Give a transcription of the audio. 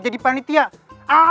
jadi panitia ada bayarannya